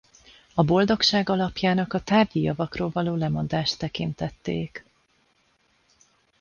A boldogság alapjának a tárgyi javakról való lemondást tekintették.